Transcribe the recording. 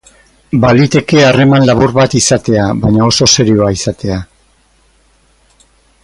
Baliteke harreman labur bat izatea, baina oso serioa izatea.